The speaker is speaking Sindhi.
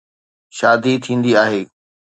شادي ٿيندي آهي.